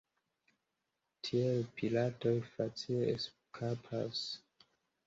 Tiel piratoj facile eskapas.